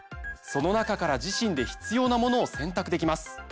その中から自身で必要なものを選択できます。